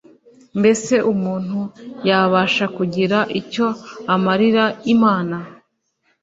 “mbese umuntu yabasha kugira icyo amarira imana’